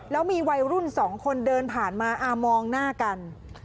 แล้วมีวัยรุ่นสองคนเดินผ่านมามองหน้ากัน